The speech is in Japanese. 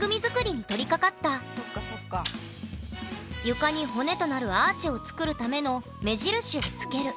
床に骨となるアーチを作るための目印を付ける。